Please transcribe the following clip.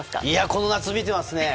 この夏見てますね。